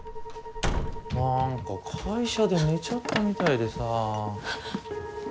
なんか会社で寝ちゃったみたいでさ。